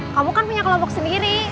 kamu kan punya kelompok sendiri